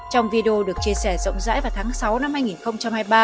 trong video được chia sẻ rộng rãi vào tháng sáu năm hai nghìn hai mươi ba